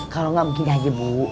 kalau nggak begini aja bu